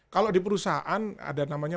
kalau di perusahaan ada namanya